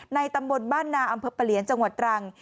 ตำบลบ้านนาอำเภอปะเหลียนจังหวัดตรัง